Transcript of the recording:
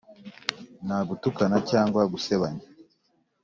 nta gutukana cyangwa gusebanya.